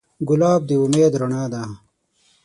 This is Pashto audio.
ګلاب د امید رڼا ده.